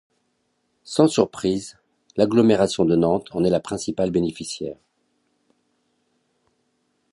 Sans surprise, l'agglomération de Nantes en est la principale bénéficiaire.